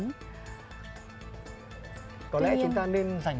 đến với tác phẩm vui xuân của tác giả nguyễn mạnh hải đến từ sơn la